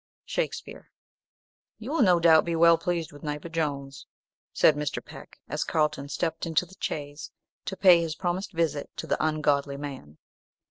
Shakespeare. "You will, no doubt, be well pleased with neighbour Jones," said Mr. Peck, as Carlton stepped into the chaise to pay his promised visit to the "ungodly man."